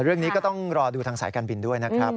เรื่องนี้ก็ต้องรอดูทางสายการบินด้วยนะครับ